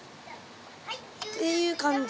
っていう感じ。